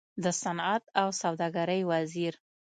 د صنعت او سوداګرۍ وزير